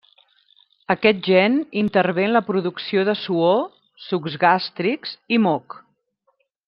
Aquest gen intervé en la producció de suor, sucs gàstrics, i moc.